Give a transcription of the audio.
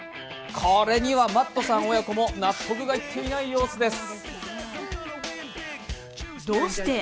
これにはマットさん親子も納得がいっていない様子です。